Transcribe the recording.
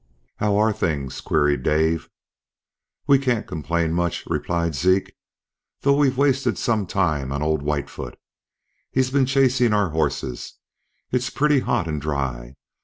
"How are things?" queried Dave. "We can't complain much," replied Zeke, "though we've wasted some time on old Whitefoot. He's been chasing our horses. It's been pretty hot and dry.